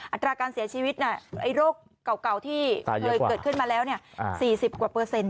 อัตราการเสียชีวิตโรคเก่าที่เคยเกิดขึ้นมาแล้ว๔๐กว่าเปอร์เซ็นต